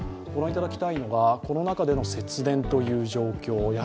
ご覧いただきたいのがこの中の節電ということ。